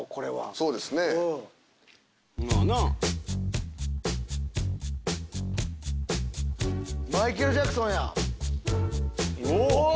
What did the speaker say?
そうですね。マイケル・ジャクソンや。うわ！